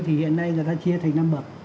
thì hiện nay người ta chia thành năm bậc